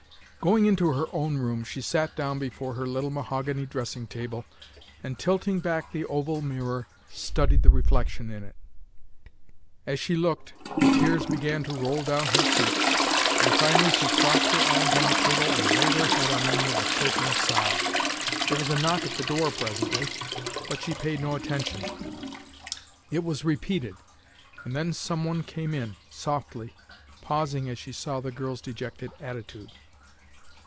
Going into her own room, she sat down before her little mahogany dressing table, and tilting back the oval mirror, studied the reflection in it. As she looked, the tears began to roll down her cheeks, and finally she crossed her arms on the table and laid her head on them with a choking sob. There was a knock at the door presently, but she paid no attention. It was repeated, and then some one came in softly, pausing as she saw the girl's dejected attitude.